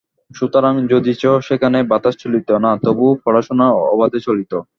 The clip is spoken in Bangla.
সুতরাং, যদিচ সেখানে বাতাস চলিত না তবু পড়াশুনা অবাধে চলিত।